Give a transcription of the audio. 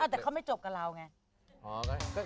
แต่เขาไม่จบกับเราไง